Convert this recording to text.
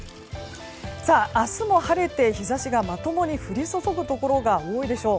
明日も晴れて、日差しがまともに降り注ぐところが多いでしょう。